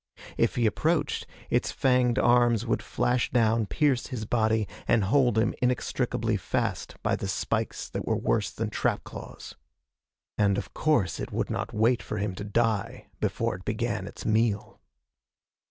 If he approached, its fanged arms would flash down, pierce his body, and hold him inextricably fast by the spikes that were worse than trap claws. And of course it would not wait for him to die before it began its meal.